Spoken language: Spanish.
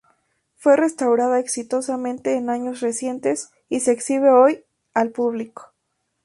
Fue restaurada exitosamente en años recientes y se exhibe hoy al público.